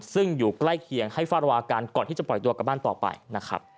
ซึ่งอยู่ใกล้เคียงให้เฝ้าระวังอาการก่อนที่จะปล่อยตัวกลับบ้านต่อไปนะครับ